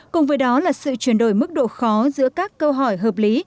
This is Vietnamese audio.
cùng với đó là sự chuyển đổi mức độ khó giữa các câu hỏi hợp lý